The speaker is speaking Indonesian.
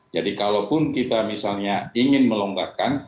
jadi kalaupun kita misalnya ingin melonggarkan